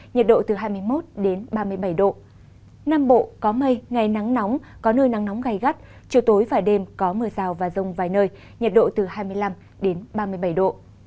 nam bộ có mây ngày nắng nóng có nơi nắng nóng gây gắt chủ tối và đêm có mưa rào và rông vài nơi nhiệt độ từ hai mươi năm đến ba mươi bảy độ